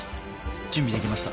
準備できました。